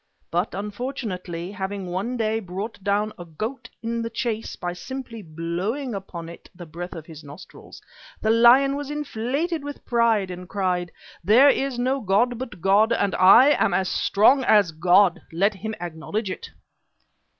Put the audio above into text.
But unfortunately, having one day brought down a goat in the chase by simply blowing upon it the breath of his nostrils, the lion was inflated with pride and cried: 'There is no god but God, but I am as strong as God. Let him acknowledge it!'